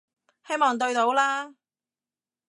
希望對到啦